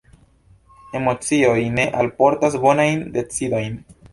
Emocioj ne alportas bonajn decidojn.